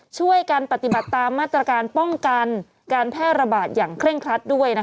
ช่วยกันปฏิบัติตามมาตรการป้องกันการแพร่ระบาดอย่างเคร่งครัดด้วย